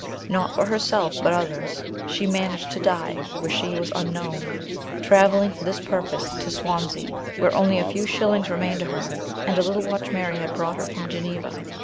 Not for herself, but others, she managed to die where she was unknown, travelling for this purpose to Swansea, where only a few shillings remained to her, and a little watch Mary had brought her from Geneva.